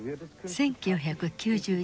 １９９２年。